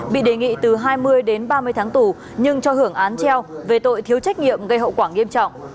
bị đề nghị từ hai mươi đến ba mươi tháng tù nhưng cho hưởng án treo về tội thiếu trách nhiệm gây hậu quả nghiêm trọng